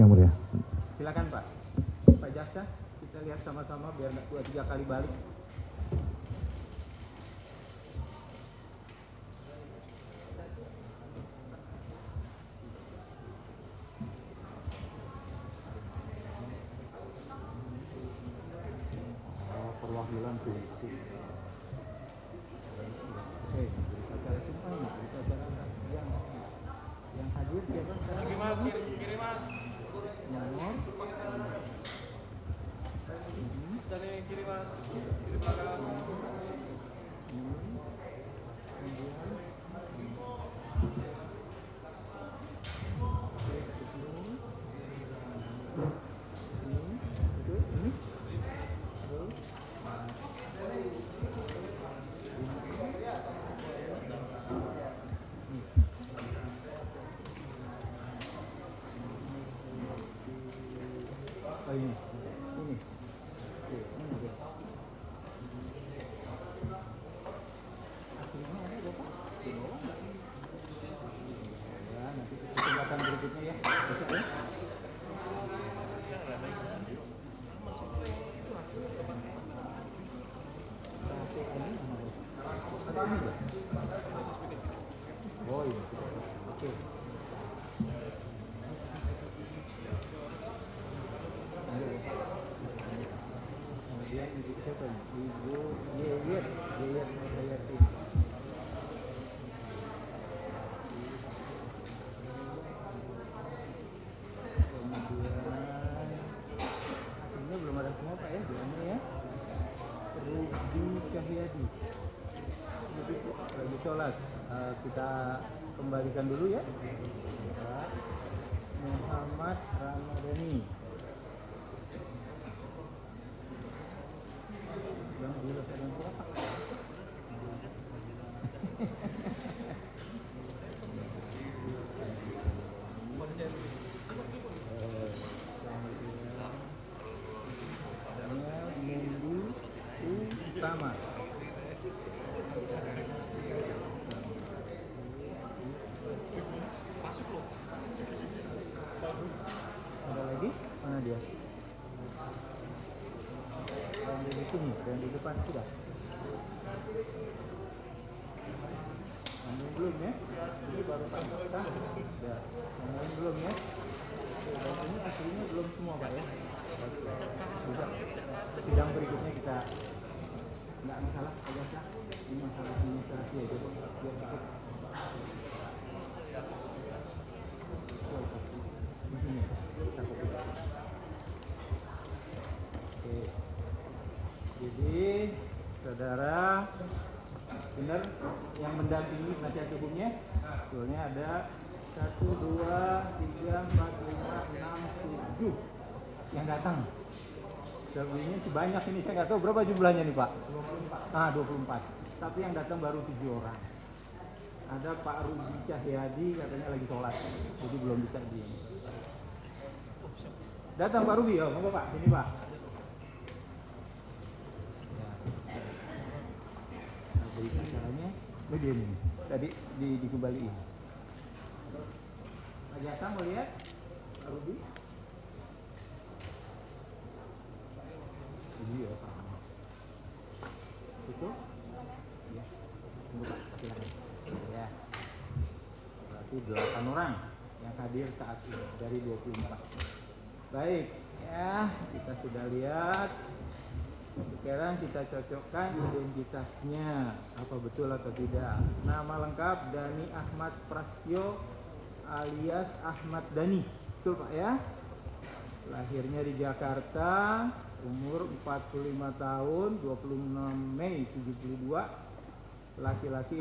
ya silakan pak pak jasa kita lihat sama sama biar dua puluh tiga kali balik hai hai hai hai hai